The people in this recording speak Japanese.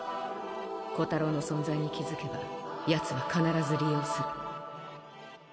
弧太郎の存在に気付けば奴は必ず利用する。